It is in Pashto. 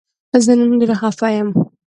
زه نن ډیر خفه یم